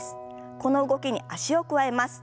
この動きに脚を加えます。